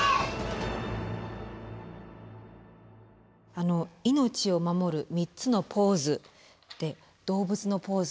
あの命を守る３つのポーズで動物のポーズ。